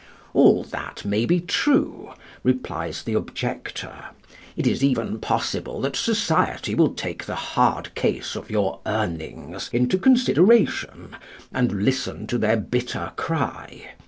"All that may be true," replies the objector: "it is even possible that society will take the hard case of your Urnings into consideration, and listen to their bitter cry.